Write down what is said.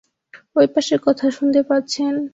ওইপাশে কথা শুনতে পাচ্ছেন?